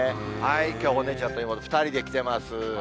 きょうはお姉ちゃんと妹、２人で来てます。